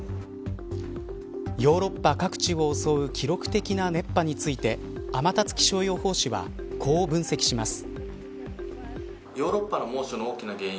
ヨーロッパ各地を襲う記録的な熱波について天達気象予報士はこう分析します。